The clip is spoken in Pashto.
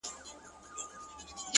ما ويل څه به ورته گران يمه زه،